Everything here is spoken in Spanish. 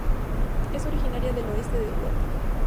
Es originaria del oeste de Europa.